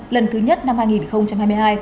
lần thứ nhất năm hai nghìn hai mươi hai